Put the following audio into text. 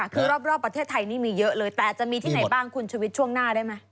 คือรอบประเทศไทยนี่มีเยอะเลยแต่จะมีที่ไหนบ้างคุณชวิตช่วงหน้าได้ไหม